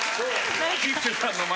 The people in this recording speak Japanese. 吉瀬さんが前。